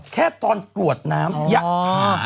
แค่ตอนกรวดน้ำหยะท้า